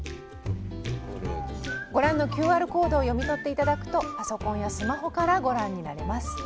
ご覧のＱＲコードを読み取って頂くとパソコンやスマホからご覧になれます。